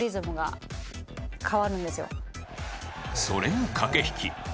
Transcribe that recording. それが駆け引き。